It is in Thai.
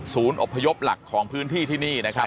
อบพยพหลักของพื้นที่ที่นี่นะครับ